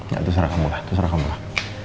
ya itu saran kamu lah